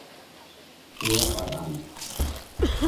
Here I am.